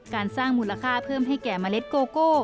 การสร้างมูลค่าเพิ่มให้แก่เมล็ดโกโก้